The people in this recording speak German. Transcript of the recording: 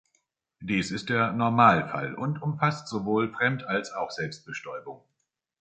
Dies ist der „Normalfall“ und umfasst sowohl Fremd- als auch Selbstbestäubung.